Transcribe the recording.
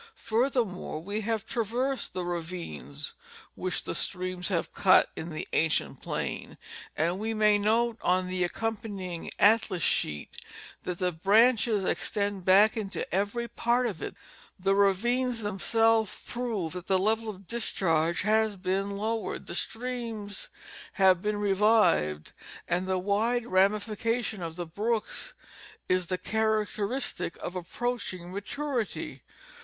Furthermore, we have traversed the ravines which the streams have cut in this ancient plain and we may note on the accompanying atlas sheet that the branches ex tend back into every part of it ; the ravines themselves prove that the level of discharge has been lowered, the streams have 298 National Geographic Magazine. been revived ; and the wide ramification of the brooks is the characteristic of approaching maturity.